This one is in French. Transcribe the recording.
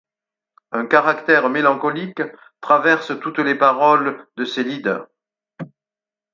Un caractère mélancolique traverse toutes les paroles de ses lieder.